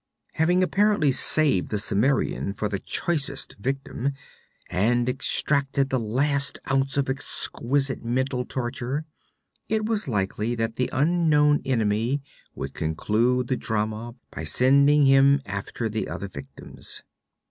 Having apparently saved the Cimmerian for the choicest victim, and extracted the last ounce of exquisite mental torture, it was likely that the unknown enemy would conclude the drama by sending him after the other victims.